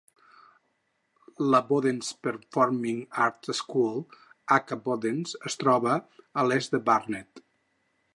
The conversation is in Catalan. La Bodens Performing Arts School, aka Bodens, es troba a East Barnet.